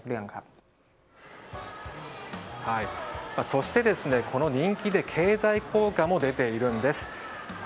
そして、この人気で経済効果も出ているんです。